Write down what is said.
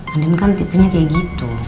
kadang kan tipenya kayak gitu